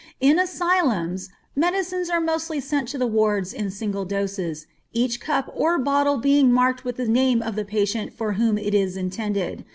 In asylums, medicines are mostly sent to the wards in single doses, each cup or bottle being marked with the name of the patient for whom it is intended.